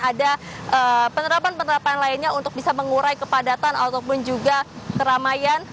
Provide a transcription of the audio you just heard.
ada penerapan penerapan lainnya untuk bisa mengurai kepadatan ataupun juga keramaian